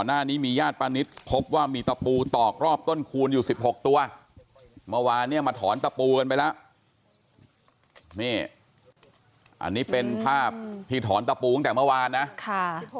อันนี้เป็นภาพที่ถอนตะปูตั้งแต่เมื่อวานนะ